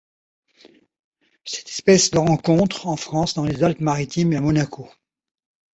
Cette espèce se rencontre en France dans les Alpes-Maritimes et à Monaco.